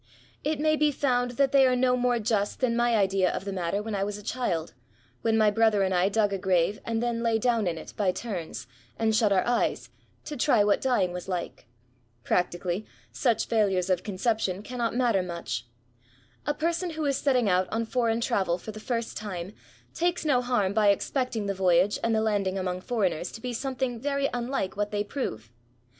It may be found that they are no more just than my idea of the matter when I was a child, when my brother and I dug a graye, and then lay down in it, by turns, and shut our eyes, to try what dying was like. Practically, such failures of conception cannot matter much. A person who is setting out on foreign travel for the first time, takes no harm by expecting the voyage and the landing among foreigners to be something very unlike what they prove.